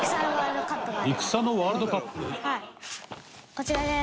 こちらです。